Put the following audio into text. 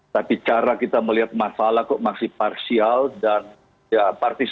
tapi cara kita melihat masalah kok masih parsial dan ya partisipasi